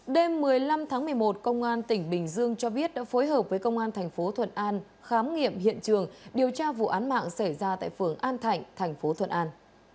đêm một mươi năm tháng một mươi một công an tỉnh bình dương cho biết đã phối hợp với công an thành phố thuận an khám nghiệm hiện trường điều tra vụ án mạng xảy ra tại phường an thạnh thành phố thuận an